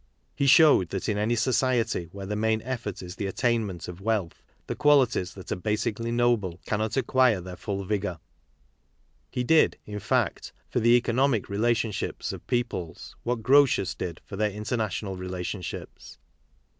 He showed that in any society where the main effort is the attainment of wealth, the qualities that are basically noble cannot acquire their full vigour. He did, in fact, for the economic relationships of peoples what Grotius did for their international relationships.